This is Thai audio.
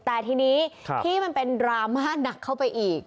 แต่ทีนี้ที่มันเป็นดราม่าหนักเข้าไปอีก